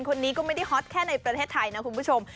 คนนี้ก็ไม่ได้ฮอตแค่ในประเทศไทยนะคุณผู้ชม